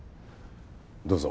どうぞ。